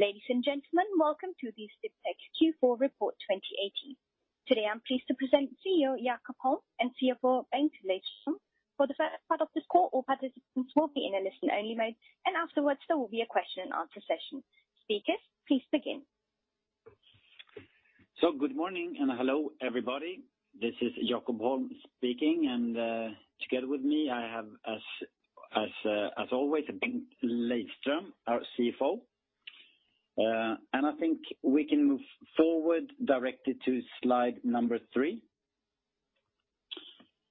Ladies and gentlemen, welcome to the Sdiptech Q4 report 2018. Today, I'm pleased to present CEO, Jakob Holm, and CFO, Bengt Lejdström. For the first part of this call, all participants will be in a listen-only mode, and afterwards there will be a question and answer session. Speakers, please begin. Good morning, and hello everybody. This is Jakob Holm speaking, and, together with me, I have, as always, Bengt Lejdström, our CFO. I think we can move forward directly to slide number three.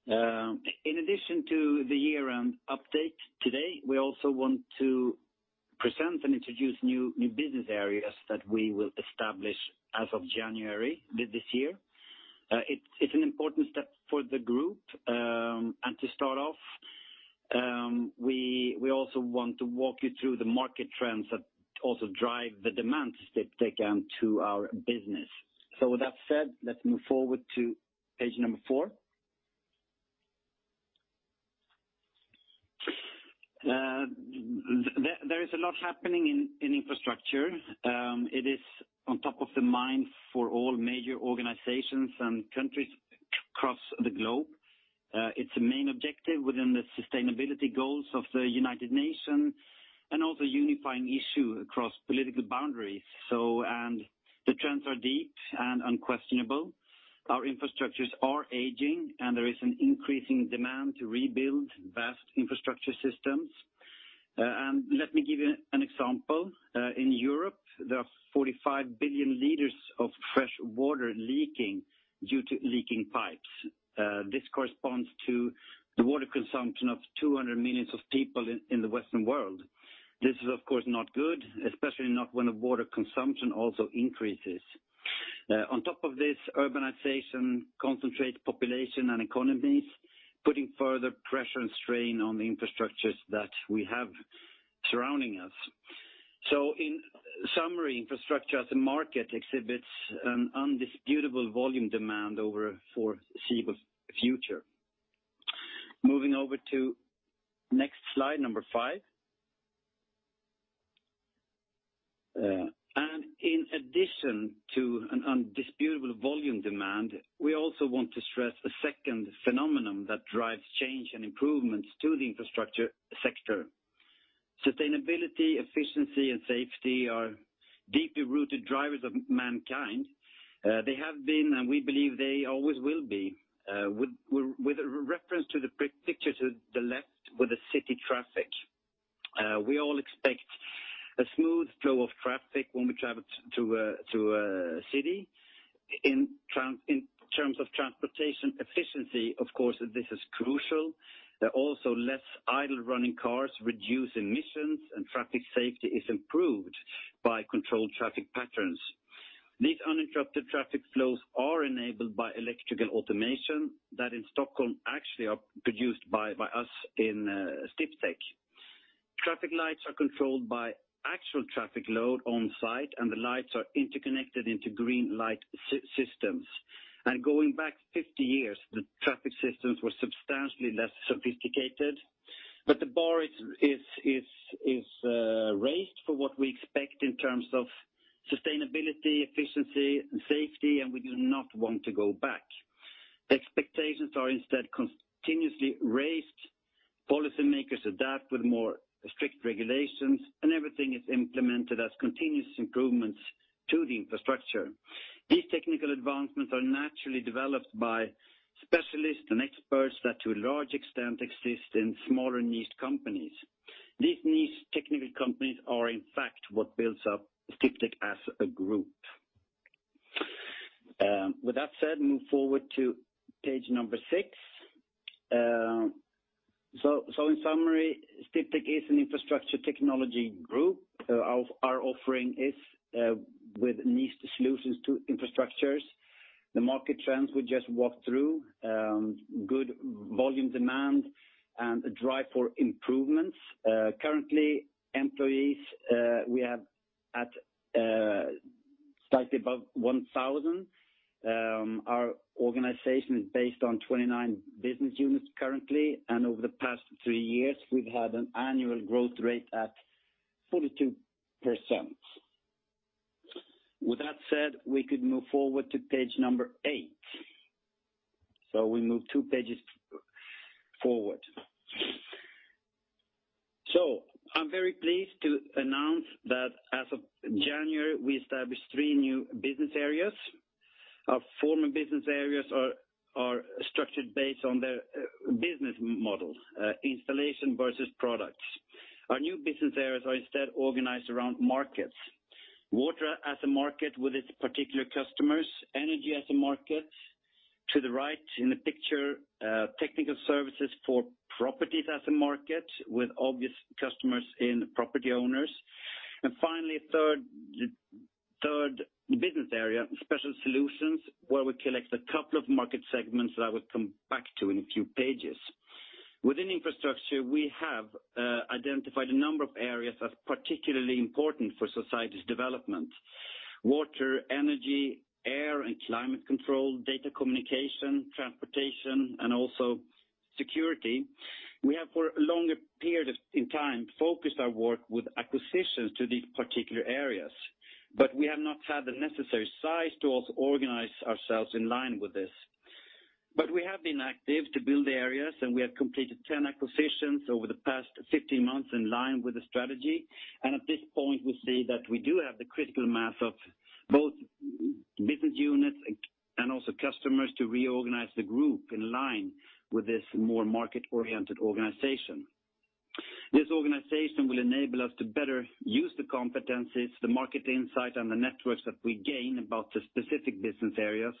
In addition to the year-round update today, we also want to present and introduce new business areas that we will establish as of January this year. It's an important step for the group, to start off, we also want to walk you through the market trends that also drive the demand Sdiptech and to our business. With that said, let's move forward to page number four. There is a lot happening in infrastructure. It is on top of the mind for all major organizations and countries across the globe. It's a main objective within the sustainability goals of the United Nations and also unifying issue across political boundaries. The trends are deep and unquestionable. Our infrastructures are aging, and there is an increasing demand to rebuild vast infrastructure systems. Let me give you an example. In Europe, there are 45 billion L of fresh water leaking due to leaking pipes. This corresponds to the water consumption of 200 million people in the Western world. This is, of course, not good, especially not when the water consumption also increases. On top of this, urbanization concentrates population and economies, putting further pressure and strain on the infrastructures that we have surrounding us. In summary, infrastructure as a market exhibits an undisputable volume demand over foreseeable future. Moving over to next slide, number five. In addition to an undisputable volume demand, we also want to stress a second phenomenon that drives change and improvements to the infrastructure sector. Sustainability, efficiency, and safety are deeply rooted drivers of mankind. They have been, and we believe they always will be. With a reference to the picture to the left with the city traffic. We all expect a smooth flow of traffic when we travel to a city. In terms of transportation efficiency, of course, this is crucial. There are also less idle running cars, reduced emissions, and traffic safety is improved by controlled traffic patterns. These uninterrupted traffic flows are enabled by electrical automation that in Stockholm actually are produced by us in Sdiptech. Traffic lights are controlled by actual traffic load on site, and the lights are interconnected into green light systems. Going back 50 years, the traffic systems were substantially less sophisticated, but the bar is raised for what we expect in terms of sustainability, efficiency, and safety, and we do not want to go back. Expectations are instead continuously raised. Policy makers adapt with more strict regulations, and everything is implemented as continuous improvements to the infrastructure. These technical advancements are naturally developed by specialists and experts that to a large extent exist in smaller niche companies. These niche technical companies are in fact what builds up Sdiptech as a group. With that said, move forward to page number six. In summary, Sdiptech is an infrastructure technology group. Our offering is with niche solutions to infrastructures. The market trends we just walked through, good volume demand, and a drive for improvements. Currently, employees, we are at slightly above 1,000. Our organization is based on 29 business units currently, and over the past three years, we've had an annual growth rate at 42%. With that said, we could move forward to page number eight. We move two pages forward. I'm very pleased to announce that as of January, we established three new business areas. Our former business areas are structured based on their business model, installation versus products. Our new business areas are instead organized around markets. Water as a market with its particular customers, energy as a market. To the right in the picture, technical services for properties as a market with obvious customers in property owners. And finally, third business area, special solutions, where we collect a couple of market segments that I will come back to in a few pages. Within infrastructure, we have identified a number of areas as particularly important for society's development. Water, energy, air and climate control, data communication, transportation, and also security. We have for a longer period in time, focused our work with acquisitions to these particular areas, we have not had the necessary size to also organize ourselves in line with this. We have been active to build areas, and we have completed 10 acquisitions over the past 15 months in line with the strategy. At this point, we see that we do have the critical mass of both business units and also customers to reorganize the group in line with this more market-oriented organization. This organization will enable us to better use the competencies, the market insight, and the networks that we gain about the specific business areas,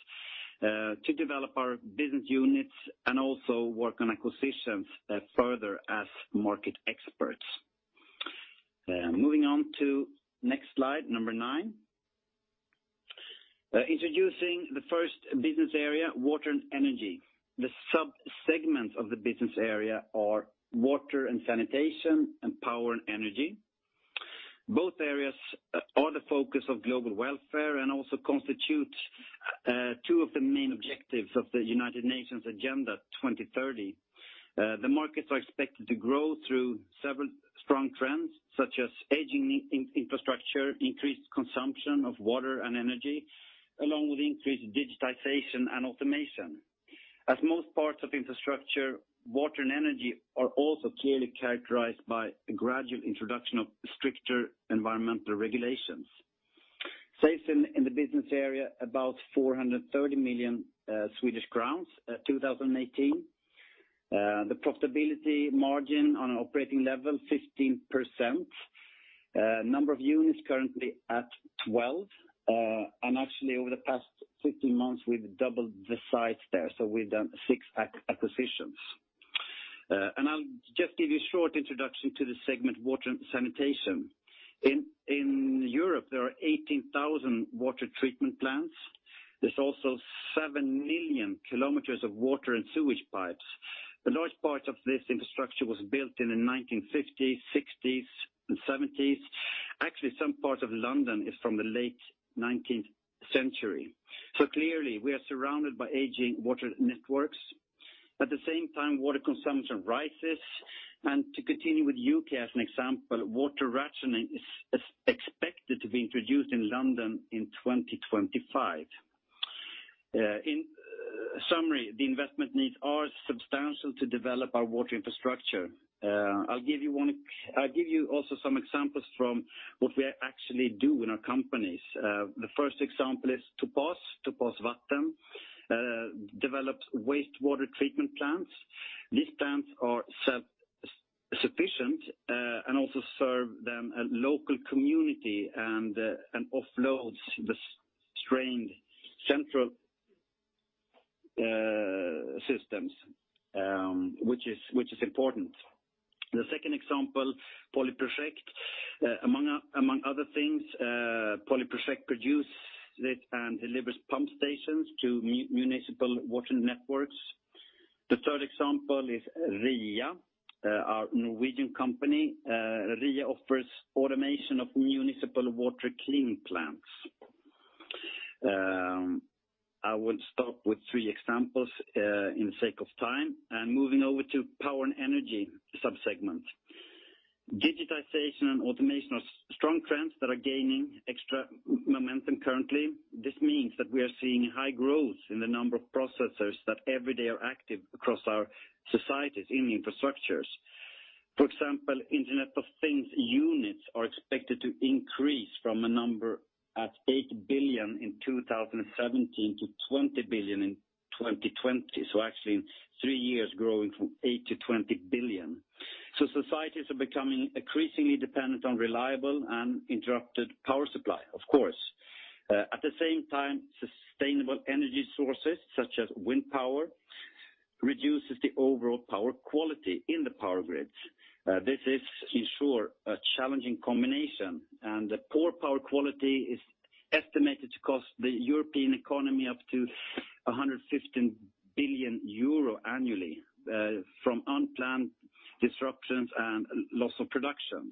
to develop our business units and also work on acquisitions further as market experts. Moving on to next slide, number nine. The sub-segments of the business area are Water & Sanitation, and Power & Energy. Both areas are the focus of global welfare and also constitute two of the main objectives of the United Nations Agenda 2030. The markets are expected to grow through several strong trends, such as aging infrastructure, increased consumption of Water & Energy, along with increased digitization and automation. As most parts of infrastructure, Water & Energy are also clearly characterized by a gradual introduction of stricter environmental regulations. Sales in the business area, about 430 million Swedish crowns at 2018. The profitability margin on an operating level, 15%. Number of units currently at 12. Actually, over the past 15 months, we've doubled the size there, so we've done six acquisitions. I'll just give you a short introduction to the segment, Water & Sanitation. In Europe, there are 18,000 water treatment plants. There's also 7 million km of water and sewage pipes. A large part of this infrastructure was built in the 1950s, 1960s, and 1970s. Actually, some parts of London is from the late 19th century. Clearly, we are surrounded by aging water networks. At the same time, water consumption rises, and to continue with U.K. as an example, water rationing is expected to be introduced in London in 2025. In summary, the investment needs are substantial to develop our water infrastructure. I'll give you also some examples from what we actually do in our companies. The first example is Topas. Topas Vatten develops wastewater treatment plants. These plants are self-sufficient, and also serve them a local community, and offloads the strained central systems, which is important. The second example, Polyproject. Among other things, Polyproject produces and delivers pump stations to municipal water networks. The third example is RIA, our Norwegian company. RIA offers automation of municipal water cleaning plants. I will stop with three examples, in sake of time, and moving over to power and energy sub-segment. Digitization and automation are strong trends that are gaining extra momentum currently. This means that we are seeing high growth in the number of processors that every day are active across our societies in infrastructures. For example, Internet of Things units are expected to increase from a number at 8 billion in 2017 to 20 billion in 2020. Actually in three years, growing from 8 billion-20 billion. Societies are becoming increasingly dependent on reliable and uninterrupted power supply, of course. At the same time, sustainable energy sources such as wind power reduces the overall power quality in the power grids. This is sure a challenging combination, and the poor power quality is estimated to cost the European economy up to 115 billion euro annually, from unplanned disruptions and loss of production.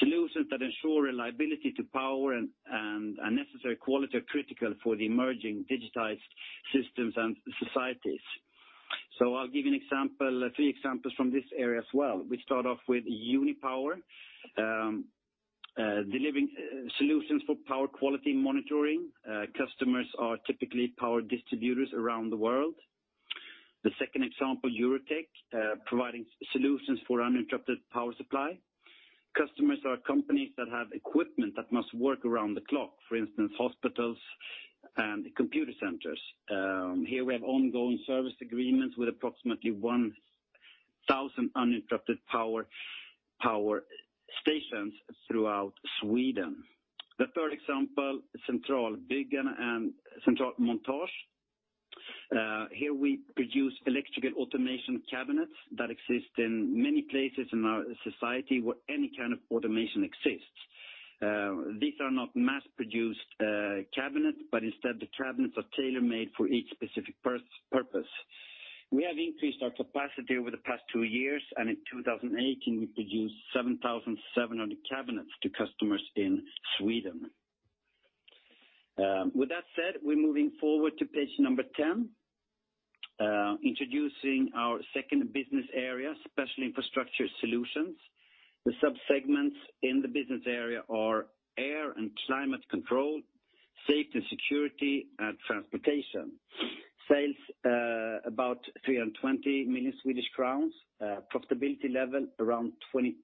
Solutions that ensure reliability to power and uninterrupted quality are critical for the emerging digitized systems and societies. I'll give three examples from this area as well. We start off with Unipower AB, delivering solutions for power quality monitoring. Customers are typically power distributors around the world. The second example, EuroTech, providing solutions for uninterrupted power supply. Customers are companies that have equipment that must work around the clock. For instance, hospitals and computer centers. Here we have ongoing service agreements with approximately 1,000 uninterrupted power stations throughout Sweden. The third example, Centralbyggarna and Centralmontage. Here we produce electrical automation cabinets that exist in many places in our society where any kind of automation exists. These are not mass-produced cabinets, but instead the cabinets are tailor-made for each specific purpose. We have increased our capacity over the past two years, and in 2018 we produced 7,700 cabinets to customers in Sweden. With that said, we're moving forward to page number 10, introducing our second business area, Special Infrastructure Solutions. The sub-segments in the business area are Air & Climate control, Safety & Security, and Transportation. Sales about 320 million Swedish crowns. Profitability level, around 22%.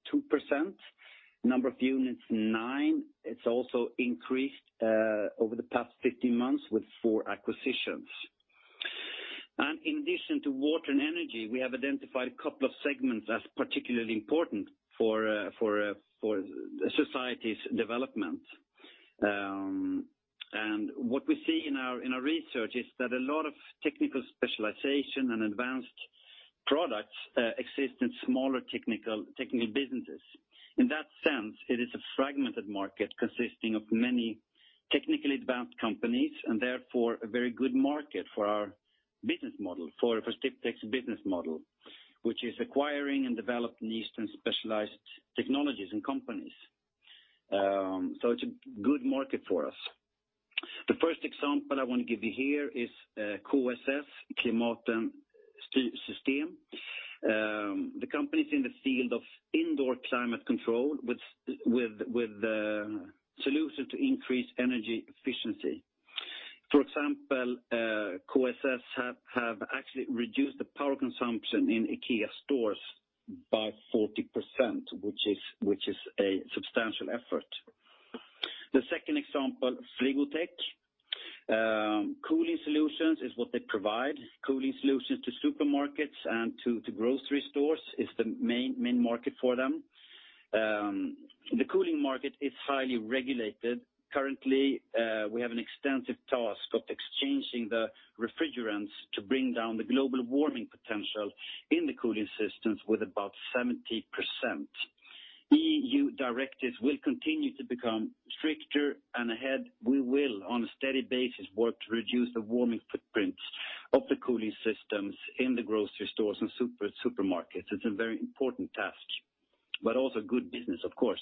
Number of units, nine. It's also increased over the past 15 months with four acquisitions. In addition to water and energy, we have identified a couple of segments as particularly important for society's development. What we see in our research is that a lot of technical specialization and advanced products exist in smaller technical businesses. In that sense, it is a fragmented market consisting of many technically advanced companies, therefore, a very good market for Sdiptech's business model, which is acquiring undeveloped needs and specialized technologies and companies. It's a good market for us. The first example I want to give you here is KSS, Klimat- & Styrsystem AB. The company is in the field of indoor climate control with a solution to increase energy efficiency. For example, KSS have actually reduced the power consumption in IKEA stores by 40%, which is a substantial effort. The second example, Frigotech. Cooling solutions is what they provide. Cooling solutions to supermarkets and to grocery stores is the main market for them. The cooling market is highly regulated. Currently, we have an extensive task of exchanging the refrigerants to bring down the global warming potential in the cooling systems with about 70%. EU directives will continue to become stricter ahead, we will, on a steady basis, work to reduce the warming footprint of the cooling systems in the grocery stores and supermarkets. It's a very important task, but also good business, of course.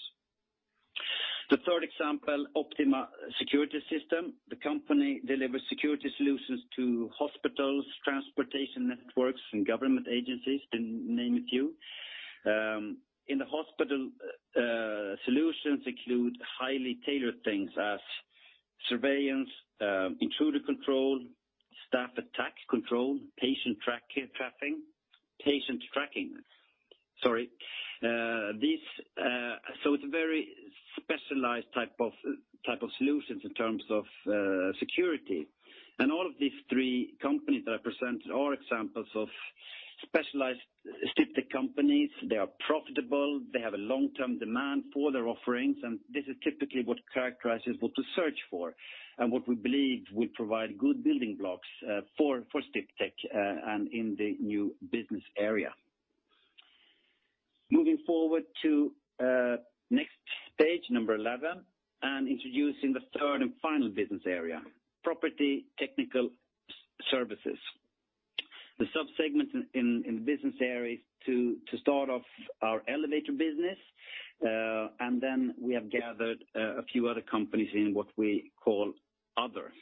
The third example, Optyma Security Systems. The company delivers security solutions to hospitals, transportation networks, and government agencies, to name a few. In the hospital, solutions include highly tailored things as surveillance, intruder control, staff attack control, patient tracking. It's a very specialized type of solutions in terms of security. All of these three companies that I presented are examples of specialized Sdiptech companies. They are profitable, they have a long-term demand for their offerings, and this is typically what characterizes what to search for and what we believe will provide good building blocks for Sdiptech and in the new business area. Moving forward to next page, number 11, introducing the third and final business area, Property Technical Services. The sub-segments in the business area to start off are Elevator business, then we have gathered a few other companies in what we call Other.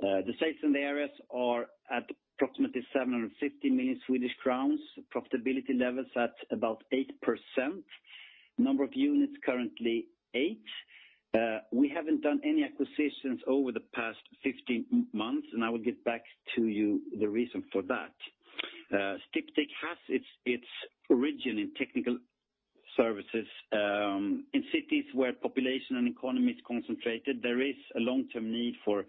The sales in the areas are at approximately 750 million Swedish crowns. Profitability levels at about 8%. Number of units, currently eight. We haven't done any acquisitions over the past 15 months, I will get back to you the reason for that. Sdiptech has its origin in technical services. In cities where population and economy is concentrated, there is a long-term need for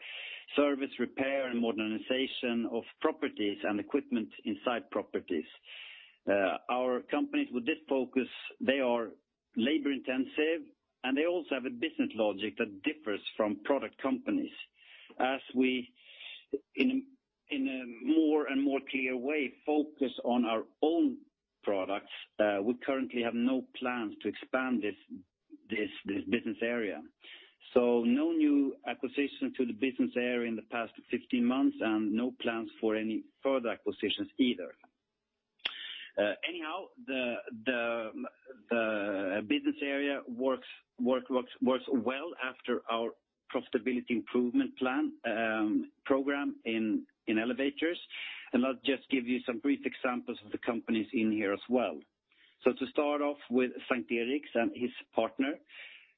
service, repair, and modernization of properties and equipment inside properties. Our companies with this focus, they are labor-intensive, they also have a business logic that differs from product companies. As we, in a more and more clear way, focus on our own products, we currently have no plans to expand this business area. No new acquisition to the business area in the past 15 months, no plans for any further acquisitions either. Anyhow, the business area works well after our profitability improvement plan program in elevators. I'll just give you some brief examples of the companies in here as well. To start off with S:t Eriks Hiss AB and his partner.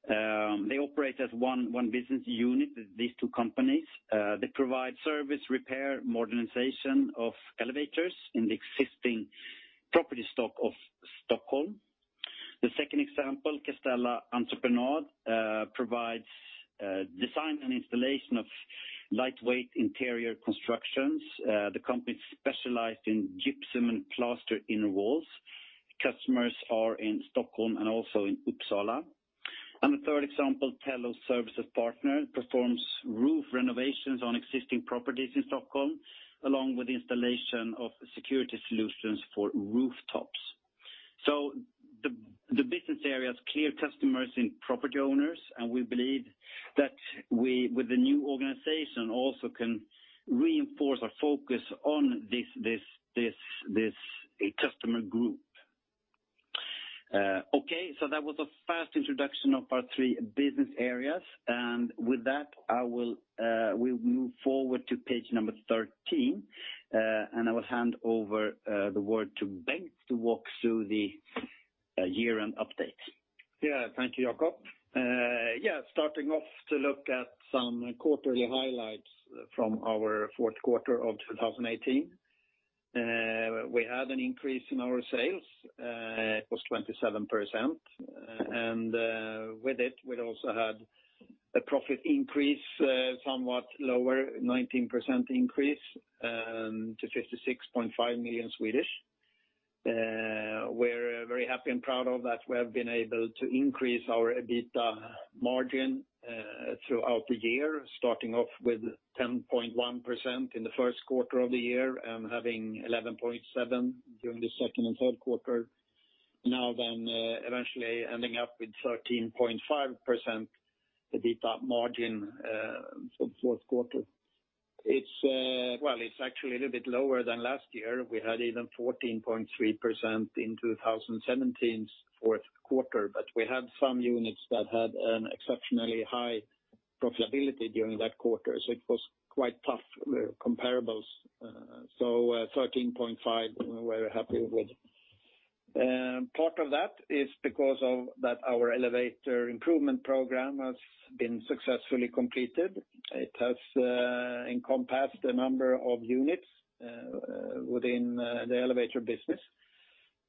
They operate as one business unit, these two companies. They provide service, repair, modernization of elevators in the existing property stock of Stockholm. The second example, Castella Entreprenad, provides design and installation of lightweight interior constructions. The company specialized in gypsum and plaster inner walls. Customers are in Stockholm and also in Uppsala. The third example, Tello Service Partner, performs roof renovations on existing properties in Stockholm, along with installation of security solutions for rooftops. The business area is clear customers and property owners, and we believe that with the new organization, also can reinforce our focus on this customer group. That was a fast introduction of our three business areas, and with that we'll move forward to page 13, and I will hand over the word to Bengt to walk through the year-end update. Thank you, Jakob. Looking at some quarterly highlights from our fourth quarter of 2018. We had an increase in our sales, it was 27%, and with it we'd also had a profit increase, somewhat lower, 19% increase to 56.5 million. We're very happy and proud of that we have been able to increase our EBITDA margin, throughout the year, starting off with 10.1% in the first quarter of the year, and having 11.7% during the second and third quarter. Eventually ending up with 13.5% EBITDA margin, for the fourth quarter. It's actually a little bit lower than last year. We had even 14.3% in 2017's fourth quarter, but we had some units that had an exceptionally high profitability during that quarter, so it was quite tough comparables. 13.5% we're happy with. Part of that is because our elevator improvement program has been successfully completed. It has encompassed a number of units within the elevator business,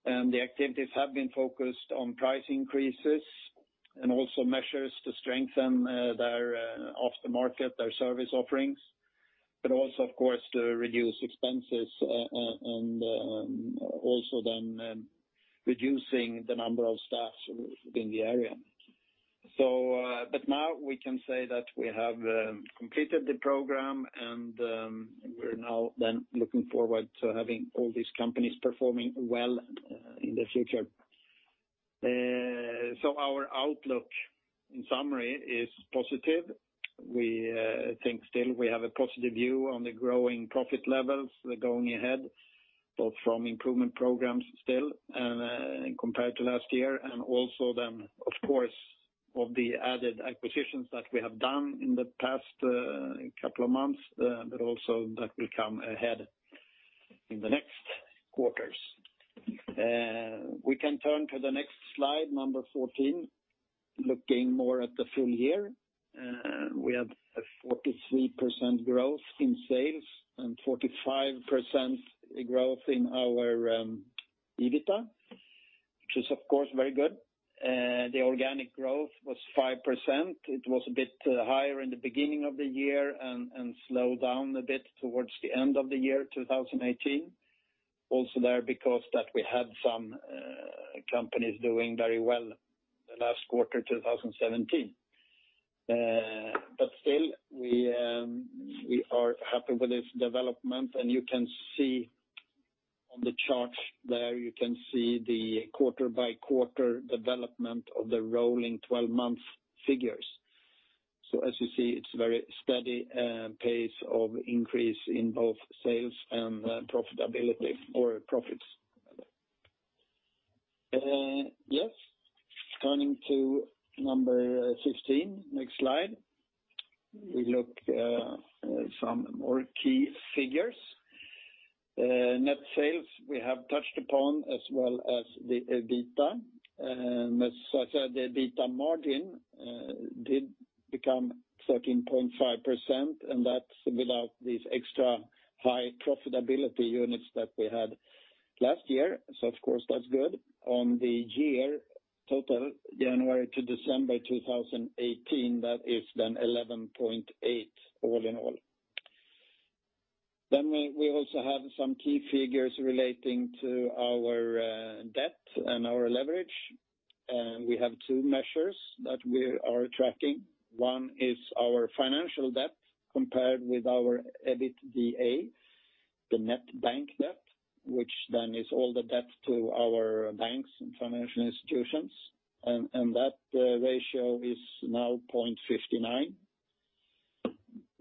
and the activities have been focused on price increases and also measures to strengthen their off the market, their service offerings. Also, of course, to reduce expenses and also then reducing the number of staff within the area. Now we can say that we have completed the program and, we're now then looking forward to having all these companies performing well in the future. Our outlook, in summary, is positive. We think still we have a positive view on the growing profit levels going ahead, both from improvement programs still, compared to last year. Also then, of course, of the added acquisitions that we have done in the past couple of months, but also that will come ahead in the next quarters. We can turn to the next slide 14, looking more at the full year. We had a 43% growth in sales and 45% growth in our EBITDA, which is of course very good. The organic growth was 5%. It was a bit higher in the beginning of the year, and slowed down a bit towards the end of the year 2018. Also there because that we had some companies doing very well the last quarter 2017. Still we are happy with this development and you can see on the chart there, you can see the quarter-by-quarter development of the rolling 12-month figures. As you see, it's a very steady pace of increase in both sales and profitability or profits. Yes. Turning to slide 15. We look at some more key figures. Net sales we have touched upon as well as the EBITDA. As I said, the EBITDA margin did become 13.5%, and that's without these extra high profitability units that we had last year. Of course, that's good. On the year total, January to December 2018, that is then 11.8% all in all. We also have some key figures relating to our debt and our leverage. We have two measures that we are tracking. One is our financial debt compared with our EBITDA, the net bank debt, which then is all the debt to our banks and financial institutions, and that ratio is now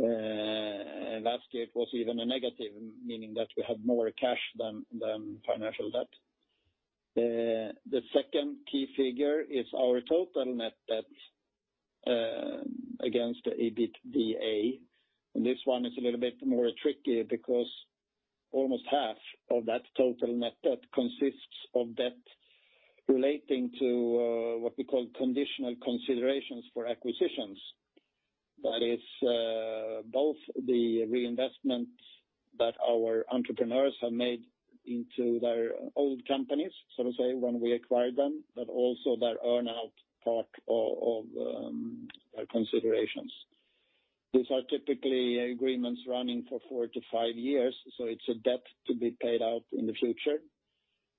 0.59. Last year it was even a negative, meaning that we had more cash than financial debt. The second key figure is our total net debt, against the EBITDA. This one is a little bit more tricky because almost half of that total net debt consists of debt relating to what we call conditional considerations for acquisitions. That is both the reinvestments that our entrepreneurs have made into their old companies, so to say, when we acquired them, but also their earn-out part of their considerations. These are typically agreements running for four to five years, so it's a debt to be paid out in the future.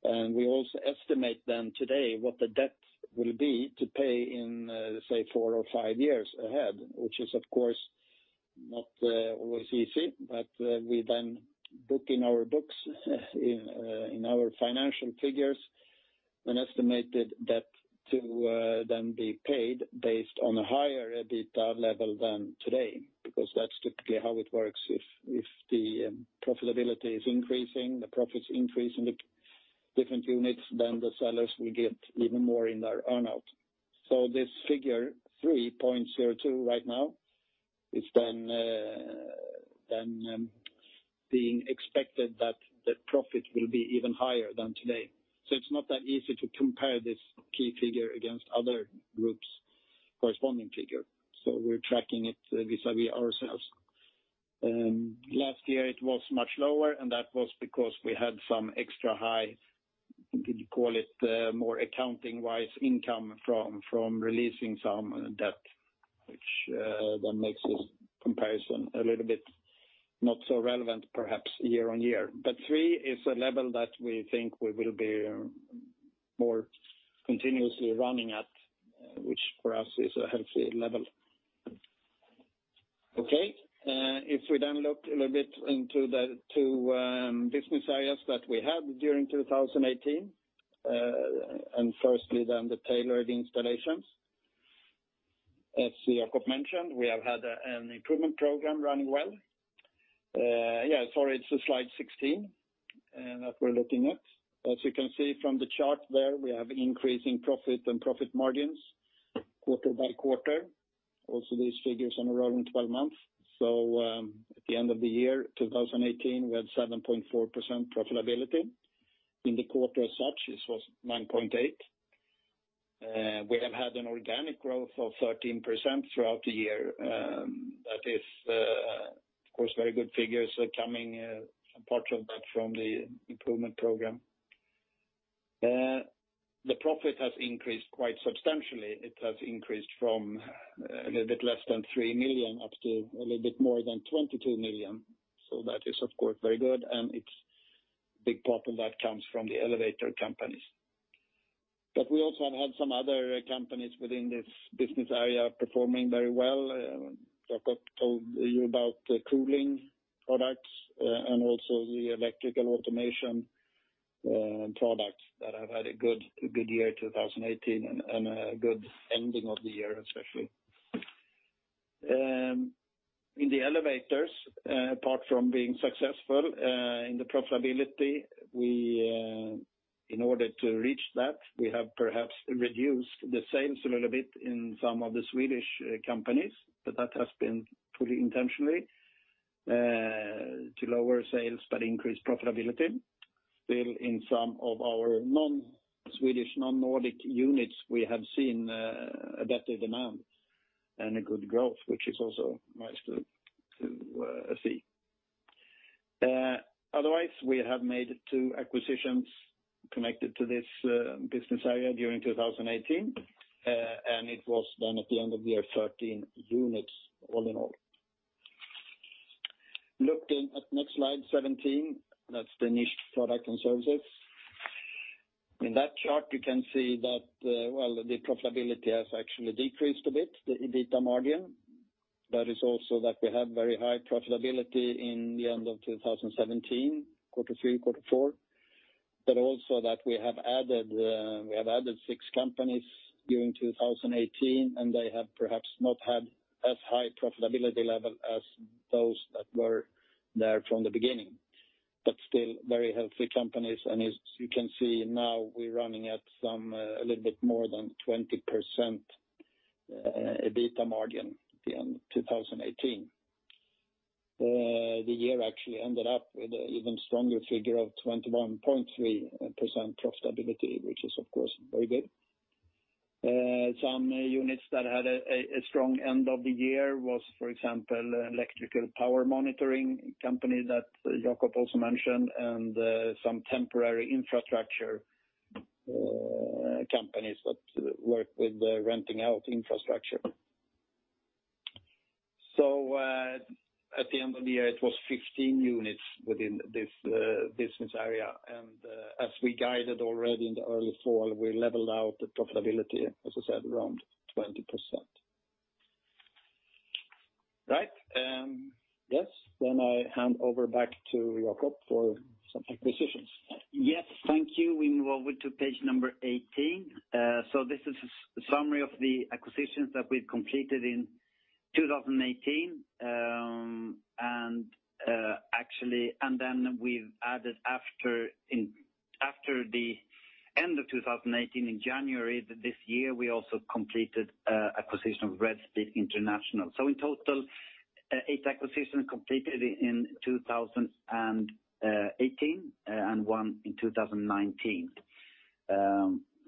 We also estimate them today, what the debt will be to pay in, say four or five years ahead, which is of course-Not always easy, but we then book in our books, in our financial figures, an estimated debt to then be paid based on a higher EBITDA level than today, because that's typically how it works. If the profitability is increasing, the profits increase in the different units, then the sellers will get even more in their earn-out. This figure 3.02 right now is then being expected that the profit will be even higher than today. It's not that easy to compare this key figure against other groups' corresponding figure. We're tracking it vis-à-vis ourselves. Last year it was much lower, that was because we had some extra high, you could call it more accounting-wise income from releasing some debt, which then makes this comparison a little bit not so relevant, perhaps year-on-year. Three is a level that we think we will be more continuously running at, which for us is a healthy level. Okay. We look a little bit into the two business areas that we had during 2018, firstly the tailored installations. As Jakob mentioned, we have had an improvement program running well. Sorry, it's slide 16 that we're looking at. As you can see from the chart there, we are increasing profit and profit margins quarter-by-quarter. Also these figures on a rolling 12 months. At the end of the year 2018, we had 7.4% profitability. In the quarter as such, it was 9.8. We have had an organic growth of 13% throughout the year. That is, of course, very good figures coming, a part of that from the improvement program. The profit has increased quite substantially. It has increased from a little bit less than 3 million up to a little bit more than 22 million. That is, of course, very good, and a big part of that comes from the elevator companies. We also have had some other companies within this business area performing very well. Jakob told you about the cooling products and also the electrical automation products that have had a good year 2018 and a good ending of the year, especially. In the elevators, apart from being successful in the profitability, in order to reach that, we have perhaps reduced the sales a little bit in some of the Swedish companies, that has been put intentionally to lower sales, but increase profitability. In some of our non-Swedish, non-Nordic units, we have seen a better demand and a good growth, which is also nice to see. We have made two acquisitions connected to this business area during 2018, and it was then at the end of year 13 units, all in all. Looking at next slide 17, that's the niche product and services. In that chart, you can see that the profitability has actually decreased a bit, the EBITDA margin. That is also that we had very high profitability in the end of 2017, quarter three, quarter four. Also that we have added six companies during 2018, and they have perhaps not had as high profitability level as those that were there from the beginning, but still very healthy companies. As you can see now we're running at a little bit more than 20% EBITDA margin at the end of 2018. The year actually ended up with an even stronger figure of 21.3% profitability, which is, of course, very good. Some units that had a strong end of the year was, for example, electrical power monitoring company that Jakob also mentioned, and some temporary infrastructure companies that work with renting out infrastructure. At the end of the year, it was 15 units within this business area, and as we guided already in the early fall, we leveled out the profitability, as I said, around 20%. Right. Yes, I hand over back to Jakob for some acquisitions. Yes. Thank you. We move to page number 18. This is a summary of the acquisitions that we've completed in 2018. Actually, then we've added after the end of 2018, in January this year, we also completed acquisition of RedSpeed International. In total, eight acquisitions completed in 2018 and one in 2019.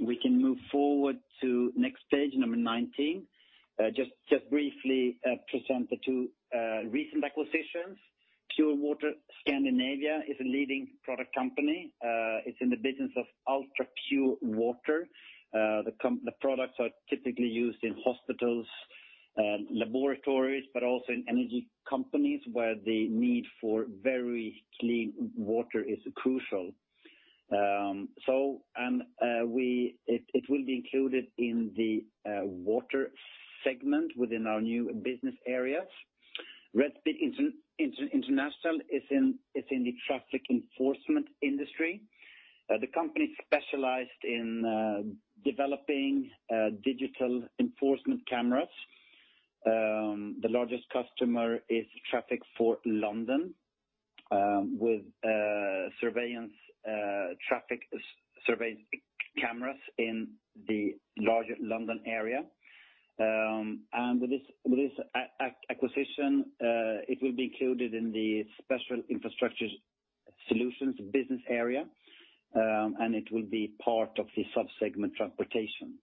We can move forward to next page, number 19. Just briefly present the two recent acquisitions. Pure Water Scandinavia AB is a leading product company. It's in the business of ultrapure water. The products are typically used in hospitals, laboratories, but also in energy companies where the need for very clean water is crucial. And it will be included in the Water segment within our new business areas. RedSpeed International is in the traffic enforcement industry. The company specialized in developing digital enforcement cameras. The largest customer is Transport for London, with traffic surveillance cameras in the larger London area. With this acquisition, it will be included in the Special Infrastructure Solutions business area, and it will be part of the sub-segment Transportation.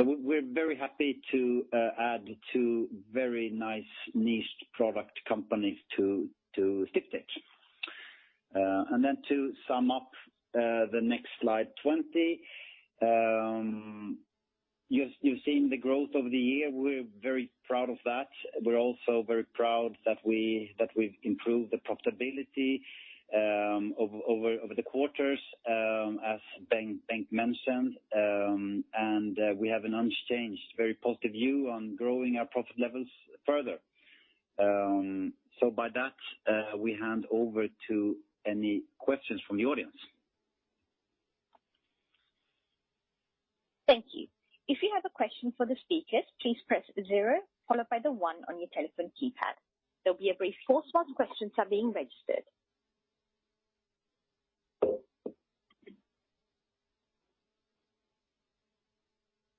We're very happy to add two very nice niche product companies to Sdiptech. Then to sum up the next slide, 20. You've seen the growth over the year. We're very proud of that. We're also very proud that we've improved the profitability over the quarters, as Bengt mentioned. We have an unchanged, very positive view on growing our profit levels further. By that, we hand over to any questions from the audience. Thank you. If you have a question for the speakers, please press zero followed by the one on your telephone keypad. There'll be a brief pause while questions are being registered.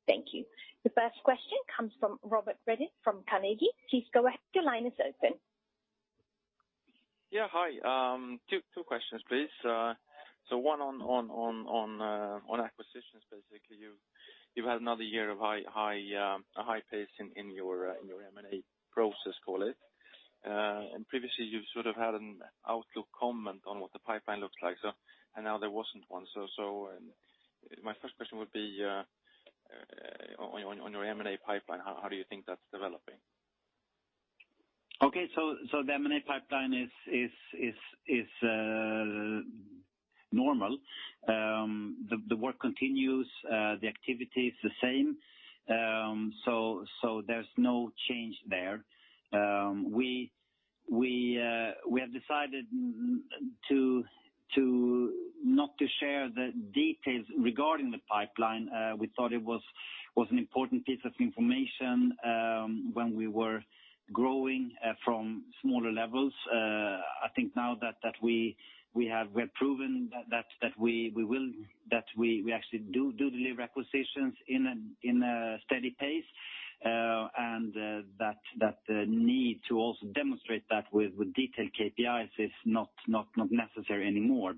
Thank you. The first question comes from Robert Redin from Carnegie. Please go ahead. Your line is open. Yeah, hi. Two questions please. One on acquisitions, basically. You've had another year of a high pace in your M&A process, call it. Previously you've sort of had an outlook comment on what the pipeline looks like. Now there wasn't one. My first question would be on your M&A pipeline, how do you think that's developing? The M&A pipeline is normal. The work continues, the activity is the same. There's no change there. We have decided not to share the details regarding the pipeline. We thought it was an important piece of information when we were growing from smaller levels. I think now that we have proven that we actually do deliver acquisitions in a steady pace, and that the need to also demonstrate that with detailed KPIs is not necessary anymore.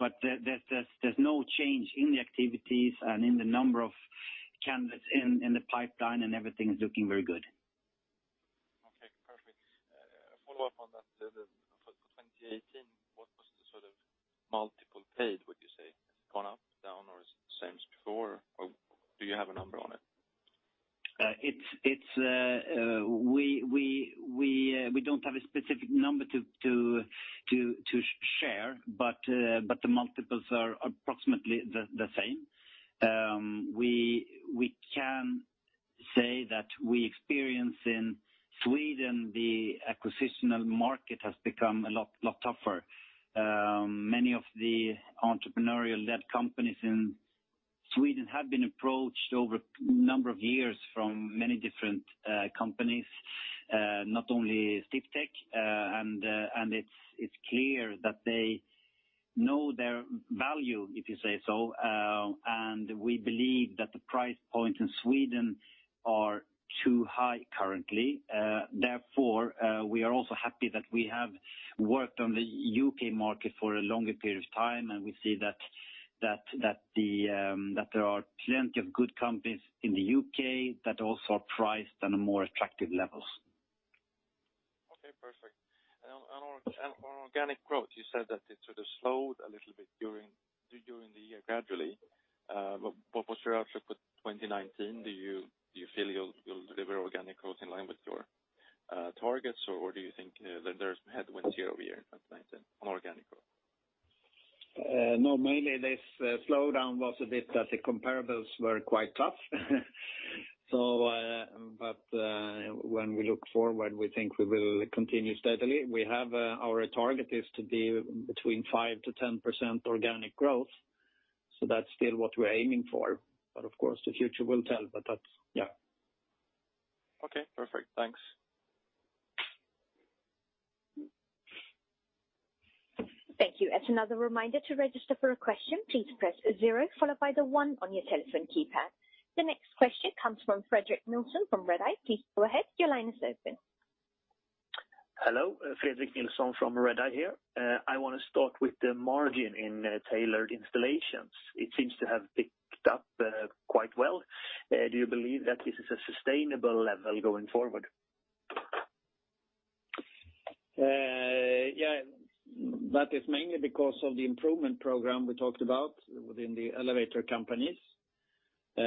There's no change in the activities and in the number of candidates in the pipeline and everything is looking very good. Okay, perfect. Follow up on that for 2018, what was the sort of multiple paid, would you say? Has it gone up, down, or is it the same as before, or do you have a number on it? We don't have a specific number to share, but the multiples are approximately the same. We can say that we experience in Sweden, the acquisitional market has become a lot tougher. Many of the entrepreneurial-led companies in Sweden have been approached over a number of years from many different companies, not only Sdiptech. It's clear that they know their value, if you say so. We believe that the price points in Sweden are too high currently. Therefore, we are also happy that we have worked on the U.K. market for a longer period of time, and we see that there are plenty of good companies in the U.K. that also are priced on a more attractive levels. Okay, perfect. On organic growth, you said that it sort of slowed a little bit during the year gradually. What was your outlook for 2019? Do you feel you'll deliver organic growth in line with your targets, or do you think there's headwinds here over here in 2020 on organic growth? Mainly this slowdown was a bit that the comparables were quite tough. When we look forward, we think we will continue steadily. Our target is to be between 5%-10% organic growth, that's still what we're aiming for. Of course, the future will tell. That's Yeah. Okay, perfect. Thanks. Thank you. As another reminder to register for a question, please press zero followed by the one on your telephone keypad. The next question comes from Fredrik Nilsson from Redeye. Please go ahead. Your line is open. Hello. Fredrik Nilsson from Redeye here. I want to start with the margin in tailored installations. It seems to have picked up quite well. Do you believe that this is a sustainable level going forward? Yeah. That is mainly because of the improvement program we talked about within the elevator companies. We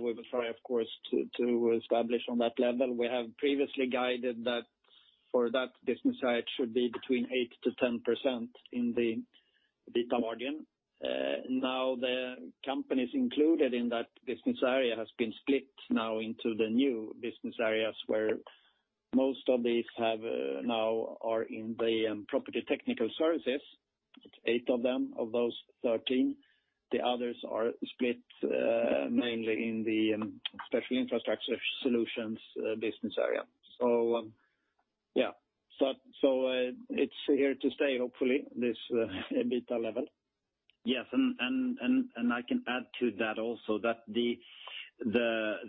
will try, of course, to establish on that level. We have previously guided that for that business side should be between 8%-10% in the EBITDA margin. Now, the companies included in that business area has been split now into the new business areas, where most of these now are in the property technical services, eight of them, of those 13. The others are split mainly in the Special Infrastructure Solutions business area. yeah. It's here to stay, hopefully, this EBITDA level. Yes. I can add to that also, that the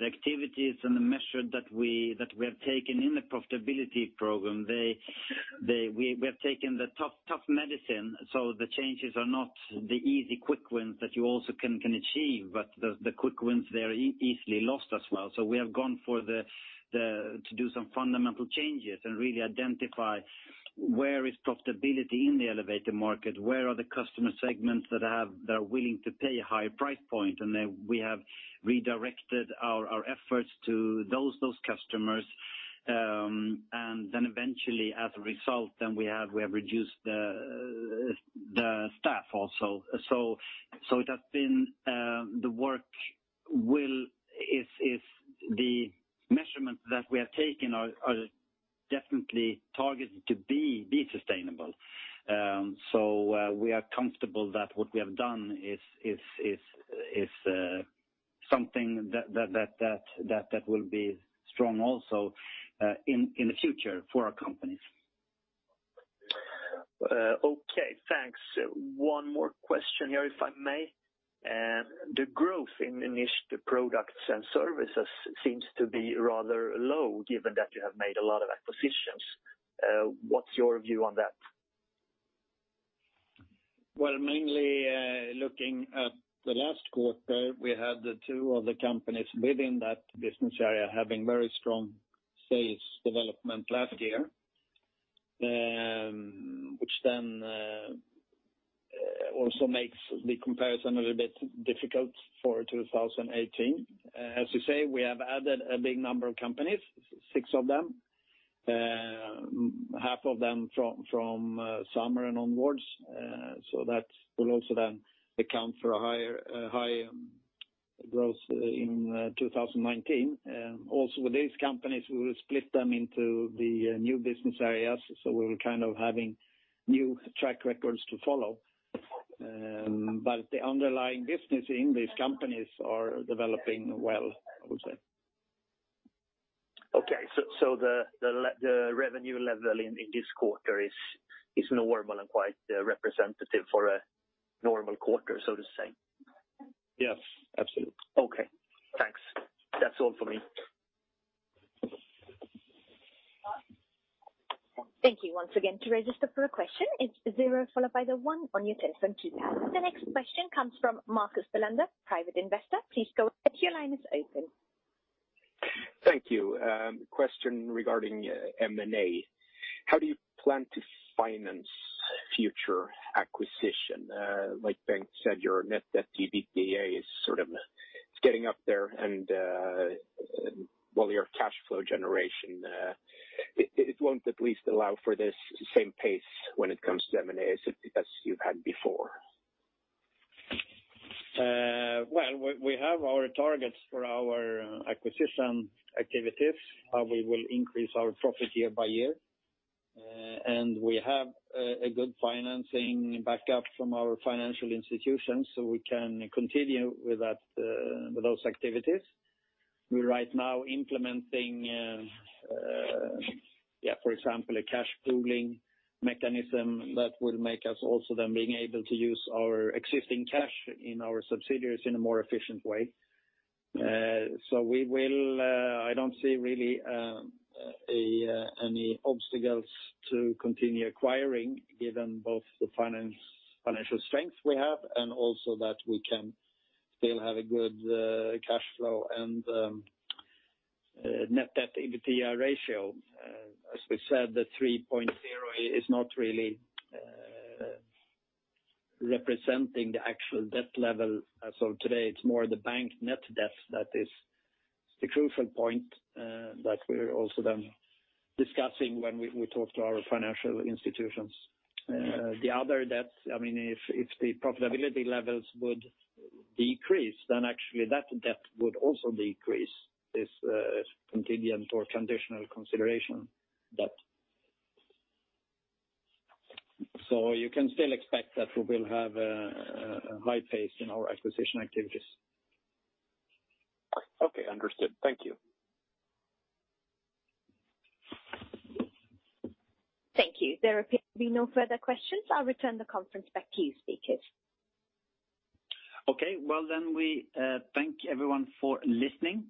activities and the measure that we have taken in the profitability program, we have taken the tough medicine. The changes are not the easy, quick wins that you also can achieve, but the quick wins, they are easily lost as well. We have gone to do some fundamental changes and really identify where is profitability in the elevator market, where are the customer segments that are willing to pay a higher price point, and we have redirected our efforts to those customers. Eventually, as a result, then we have reduced the staff also. The measurement that we have taken are definitely targeted to be sustainable. We are comfortable that what we have done is something that will be strong also in the future for our companies. Okay, thanks. One more question here, if I may. The growth in niche products and services seems to be rather low, given that you have made a lot of acquisitions. What's your view on that? Well, mainly, looking at the last quarter, we had the two of the companies within that business area having very strong sales development last year, which then also makes the comparison a little bit difficult for 2018. As you say, we have added a big number of companies, six of them. Half of them from summer and onwards. That will also then account for a high growth in 2019. Also, with these companies, we will split them into the new business areas, we're kind of having new track records to follow. The underlying business in these companies are developing well, I would say. Okay. The revenue level in this quarter is normal and quite representative for a normal quarter, so to say. Yes, absolutely. Okay, thanks. That's all for me. Thank you once again. To register for a question, it is zero followed by the one on your telephone keypad. The next question comes from Marcus Bolander, private investor. Please go ahead, your line is open. Thank you. Question regarding M&A. How do you plan to finance future acquisition? Like Bengt said, your net debt to EBITDA is sort of getting up there and, your cash flow generation, it will not at least allow for this same pace when it comes to M&A as you have had before. Well, we have our targets for our acquisition activities. We will increase our profit year-by-year. We have a good financing backup from our financial institutions, so we can continue with those activities. We are right now implementing, for example, a cash pooling mechanism that will make us also then being able to use our existing cash in our subsidiaries in a more efficient way. I do not see really any obstacles to continue acquiring, given both the financial strength we have and also that we can still have a good cash flow and net debt/EBITDA ratio. As we said, the 3.0 is not really representing the actual debt level. Today, it is more the bank net debt that is the crucial point that we are also then discussing when we talk to our financial institutions. The other debt, if the profitability levels would decrease, then actually that debt would also decrease, this contingent or conditional consideration debt. You can still expect that we will have a high pace in our acquisition activities. Okay, understood. Thank you. Thank you. There appear to be no further questions. I'll return the conference back to you, speakers. Okay, well, we thank everyone for listening,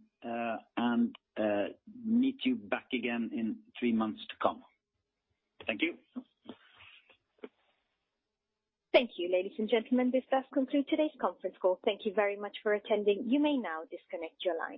and meet you back again in three months to come. Thank you. Thank you, ladies and gentlemen. This does conclude today's conference call. Thank you very much for attending. You may now disconnect your line.